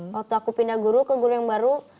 waktu aku pindah guru ke guru yang baru